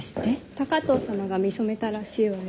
高藤様が見初めたらしいわよ。